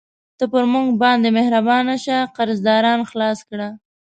ته پر موږ باندې مهربانه شه، قرضداران خلاص کړه.